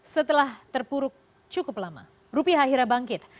setelah terpuruk cukup lama rupiah akhirnya bangkit